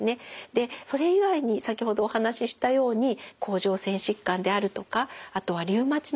でそれ以外に先ほどお話ししたように甲状腺疾患であるとかあとはリウマチのようなもの。